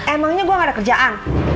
emangnya gue gak ada kerjaan